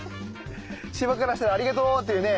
シバからしたらありがとうっていうね。